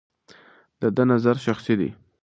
د ده نظر شخصي دی.